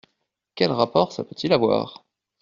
Quel rapport ça peut-il avoir ?